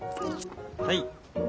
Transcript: はい。